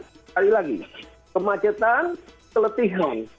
sekali lagi kemacetan keletihan